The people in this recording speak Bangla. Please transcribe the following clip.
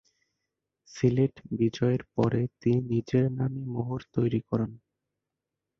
সিলেট বিজয়ের পরে তিনি নিজের নামে মোহর তৈরি করান।